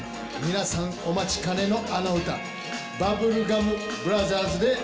皆さんお待ちかねのあの歌バブルガム・ブラザーズで